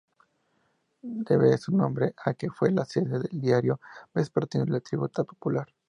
Debe su nombre a que fue la sede del diario vespertino "La Tribuna Popular".